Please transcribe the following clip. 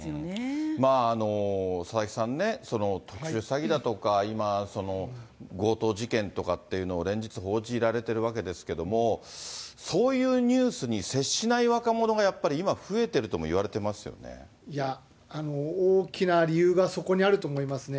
まあ、佐々木さんね、特殊詐欺だとか、今、強盗事件とかっていうのを連日報じられているわけですけど、そういうニュースに接しない若者がやっぱり今、増えてるともいわれていや、大きな理由がそこにあると思いますね。